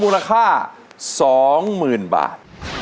รูปราคาสองหมื่นบาท